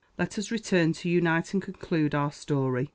Let us return to unite and conclude our story.